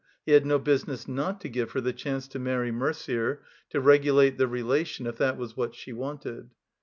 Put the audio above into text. He had no business not to give her the chance to many Mercier, to regulate the relation, if that was what she wanted.